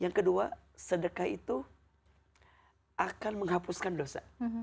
yang kedua sedekah itu akan menghapuskan dosa